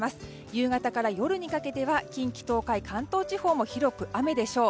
夕方から夜にかけては近畿・東海、関東地方も広く雨でしょう。